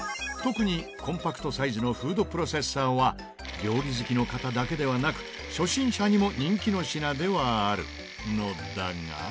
特にコンパクトサイズのフードプロセッサーは料理好きの方だけではなく初心者にも人気の品ではあるのだが。